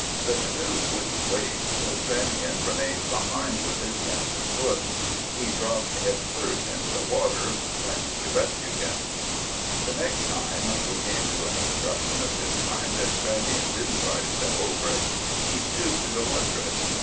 The canoe wouldn't wait, so Stranion remained behind with his captive foot. He dropped head first into the water, whence we rescued him. The next time we came to an obstruction of this kind Stranion didn't try to step over it. He stooped to go under it.